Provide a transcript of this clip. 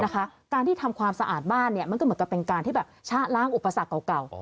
การที่ทำความสะอาดบ้านมันก็เหมือนกับเป็นการที่แบบชะล้างอุปสรรคเก่า